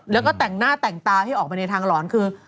แล้วก็แต่งหน้าแต่งตาให้ออกไปในทางหลอนคือ